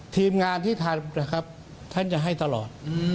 ทีมงานที่ทำนะครับท่านจะให้ตลอด